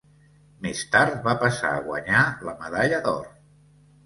Més tard, va passar a guanyar la medalla d'or.